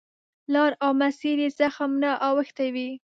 لار او مسیر یې زخم نه اوښتی وي.